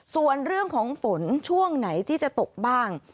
ส่วนเรื่องของฝนช่วงไหนที่จะตกบ้าง